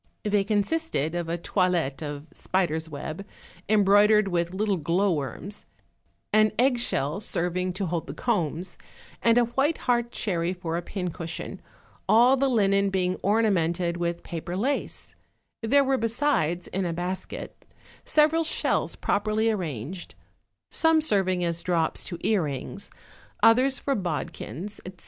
They consisted of a toilet of spider's web, embroid ered with little glowworms, an egg shell serving to hold the combs, and a white heart cherry for a pincushion, all the linen being ornamented with paper lace; there were besides, in a basket, several shells properly arranged, some serving as drops to earrings, others for bodkins, etc.